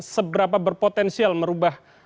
seberapa berpotensial merubah